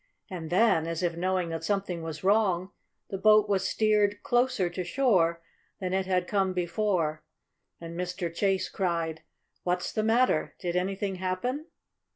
And then, as if knowing that something was wrong, the boat was steered closer to shore than it had come before, and Mr. Chase cried: "What's the matter? Did anything happen?"